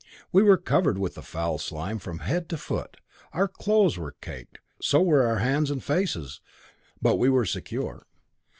We were covered with the foul slime from head to foot, our clothes were caked, so were our hands and faces. But we were secure.